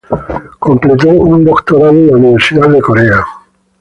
Completó un doctorado en la Universidad de Corea.